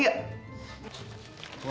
man haris aja